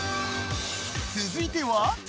続いては。